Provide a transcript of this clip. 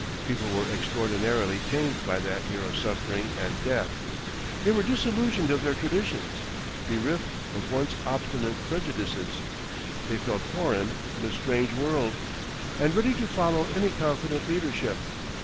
People were extraordinarily tamed by that year of suffering and death; they were disillusioned of their traditions, bereft of once obstinate prejudices; they felt foreign in a strange world, and ready to follow any confident leadership.